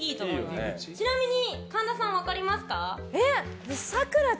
ちなみに神田さん分かりますか？